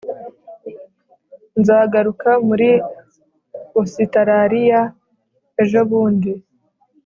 nzagaruka muri ositaraliya ejobundi